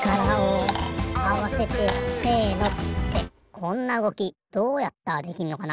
こんなうごきどうやったらできんのかな。